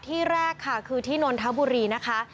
ที่แรกค่ะคือที่นนทบุรีนะคะ